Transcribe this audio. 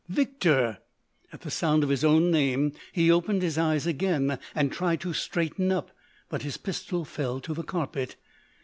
"Victor!" At the sound of his own name, he opened his eyes again and tried to straighten up, but his pistol fell to the carpet.